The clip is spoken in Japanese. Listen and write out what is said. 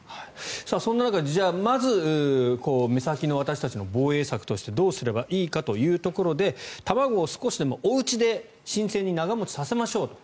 そんな中で、まず目先の私たちの防衛策としてどうすればいいかというところで卵を少しでもおうちで新鮮に長持ちさせましょうと。